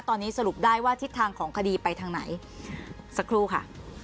ตอนนี้สรุปได้ว่าทิศทางของคดีไปทางไหนสักครู่ค่ะ